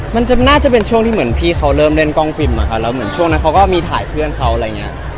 มันจะมันวาดจะเป็นช่วงที่เหมือนพี่เขาเริ่มเล่นกล้องฟิล์มมหาแล้วก็เหมือนช่วงนั้นเขาก็มีถ่ายเพื่อนเขาอะไรไง